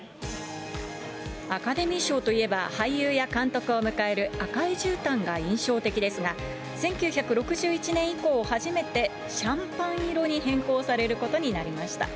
アカデミー賞といえば、俳優や監督を迎える赤いじゅうたんが印象的ですが、１９６１年以降初めてシャンパン色に変更されることになりました。